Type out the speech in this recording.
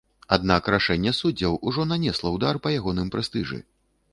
Аднак рашэнне суддзяў ужо нанесла ўдар па ягоным прэстыжы.